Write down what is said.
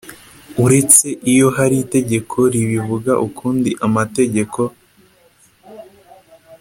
Uretse iyo hari itegeko ribivuga ukundi amategeko